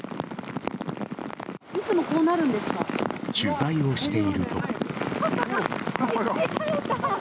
取材をしていると。